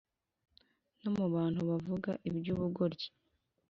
No mu bantu bavuga ibyubugoryi